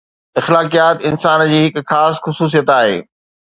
اخلاقيات انسان جي هڪ خاص خصوصيت آهي